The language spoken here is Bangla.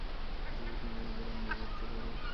যাতে তুমি আমাদের আর না মারতে পার।